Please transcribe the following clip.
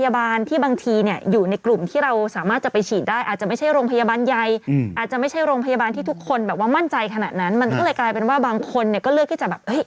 บางคนมั่นใจขนาดนั้นมันก็เลยกลายเป็นว่าบางคนก็เลือกที่จะแบบ